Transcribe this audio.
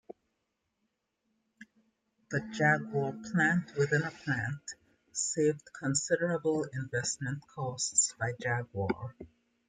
The Jaguar "plant-within-a-plant" saved considerable investment costs by Jaguar.